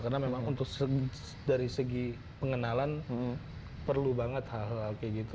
karena memang untuk dari segi pengenalan perlu banget hal hal kayak gitu